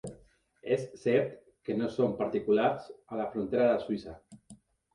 És cert que no són particulars a la frontera de Suïssa.